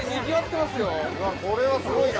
これはすごいな。